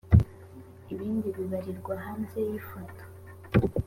ibindi bibarirwa hanze y ifoto